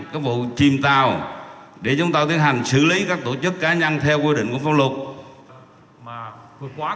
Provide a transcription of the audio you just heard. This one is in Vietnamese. cái vụ chìm tàu để chúng ta tiến hành xử lý các tổ chức cá nhân theo quy định của pháp luật